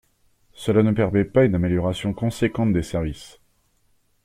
Cela ne permet pas une amélioration conséquente des services.